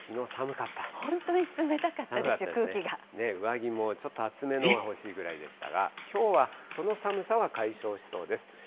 本当に冷たかったですよ、空上着もちょっと厚めのが欲しいぐらいでしたが、きょうはその寒さは解消しそうです。